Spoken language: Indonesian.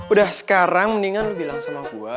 udah sekarang mendingan lo bilang sama gua